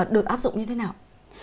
được áp dụng như thế nào